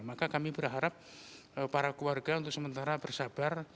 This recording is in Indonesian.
maka kami berharap para keluarga untuk sementara bersabar